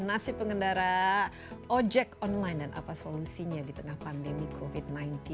nasib pengendara ojek online dan apa solusinya di tengah pandemi covid sembilan belas